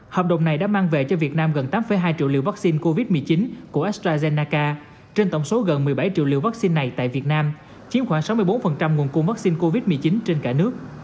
hợp đồng này đã mang về cho việt nam gần tám hai triệu liều vaccine covid một mươi chín của astrazennaca trên tổng số gần một mươi bảy triệu liều vaccine này tại việt nam chiếm khoảng sáu mươi bốn nguồn cung vaccine covid một mươi chín trên cả nước